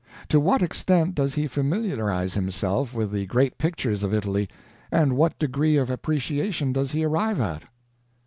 To what extent does he familiarize himself with the great pictures of Italy, and what degree of appreciation does he arrive at?